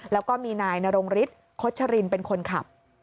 แล้วก็มีนายนรงฤทธิคชรินเป็นคนขับ